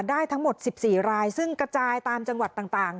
ได้ทั้งหมดสิบสี่รายซึ่งกระจายตามจังหวัดต่างต่าง